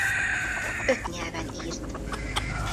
Öt nyelven irt.